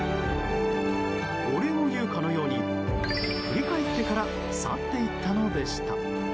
お礼を言うかのように振り返ってから去っていったのでした。